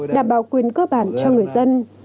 đảm bảo quyền cơ bản cho người dân